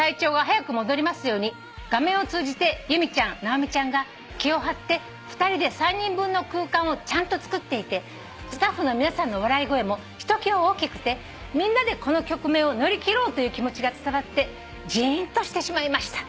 「画面を通じて由美ちゃん直美ちゃんが気を張って２人で３人分の空間をちゃんとつくっていてスタッフの皆さんの笑い声もひときわ大きくてみんなでこの局面を乗り切ろうという気持ちが伝わってじーんとしてしまいました」